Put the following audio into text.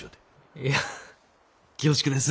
いや恐縮です。